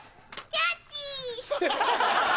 キャッチ！